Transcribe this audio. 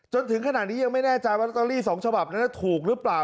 จนถึงขณะนี้ยังไม่แน่ใจว่าลอตเตอรี่๒ฉบับนั้นถูกหรือเปล่า